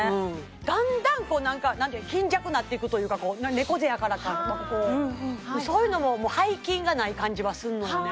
だんだん何か貧弱なっていくというか猫背やからかこうそういうのももう背筋がない感じはすんのよね